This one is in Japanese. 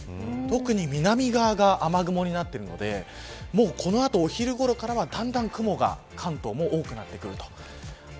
南側が雨雲になっているのでこの後、お昼ごろからはだんだん関東でも雲が多くなってきます。